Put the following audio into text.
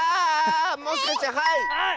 もしかしてはい！